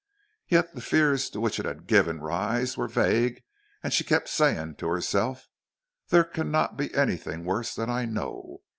Yet the fears to which it had given rise were vague, and she kept saying to herself: "There cannot be anything worse than I know.